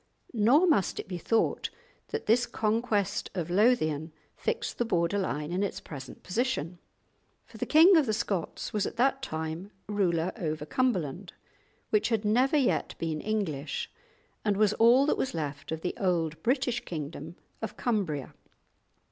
Nor must it be thought that this conquest of Lothian fixed the border line in its present position, for the king of the Scots was at that time ruler over Cumberland, which had never yet been English and was all that was left of the old British kingdom of Cumbria.